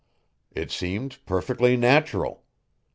It seemed perfectly natural.